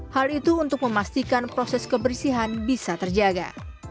hal itu untuk memastikan proses kebersihan bisa terjaga